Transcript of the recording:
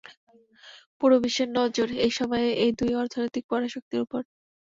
পুরো বিশ্বের নজর এই সময় এই দুই অর্থনৈতিক পরাশক্তির উপর।